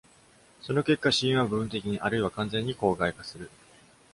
その結果、子音は部分的にあるいは完全に口蓋化する。